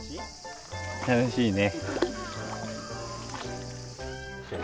楽しいね。